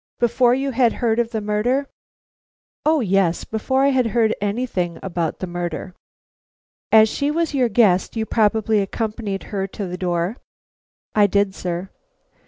"Before you had heard of the murder?" "O yes, before I had heard anything about the murder." "As she was your guest, you probably accompanied her to the door?" "I did, sir."